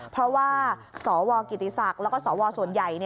เพราะว่าสวกิติศักดิ์แล้วก็สวส่วนใหญ่